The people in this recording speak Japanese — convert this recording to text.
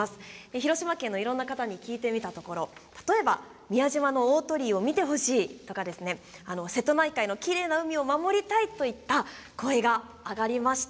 広島県のいろんな方に聞いてみたところ例えば、宮島の大鳥居を見てほしいとか瀬戸内海のきれいな海を守りたいといった声があがりました。